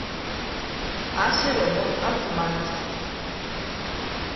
ასევე მოჰყავთ მარწყვი.